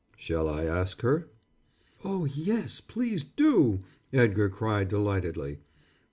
"Shall I ask her?" "Oh, yes, please do," Edgar cried delightedly.